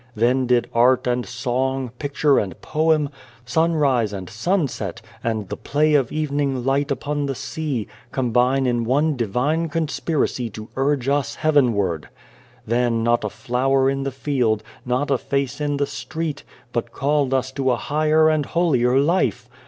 Then did Art and Song, picture and poem, sunrise and sunset, and the play of evening light upon the sea, combine in one divine conspiracy to urge us heavenward ; then not a flower in the field, not a face in the street, but called us to a higher and holier life.